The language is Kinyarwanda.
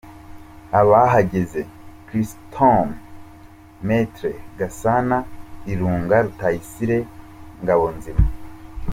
Abahagaze : Chrisostome, Maitre, Gasana, Ilunga, Rutayisire, Ngabonzima